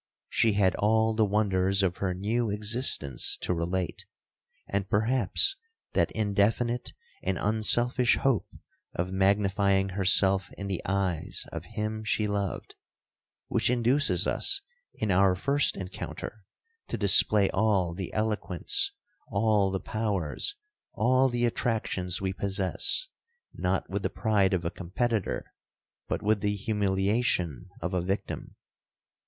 She had all the wonders of her new existence to relate; and perhaps that indefinite and unselfish hope of magnifying herself in the eyes of him she loved, which induces us in our first encounter to display all the eloquence, all the powers, all the attractions we possess, not with the pride of a competitor, but with the humiliation of a victim.